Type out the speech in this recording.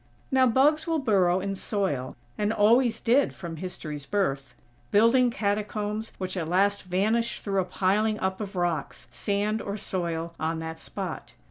Now bugs will burrow in soil, and always did, from History's birth; building catacombs which at last vanish through a piling up of rocks, sand or soil on that spot.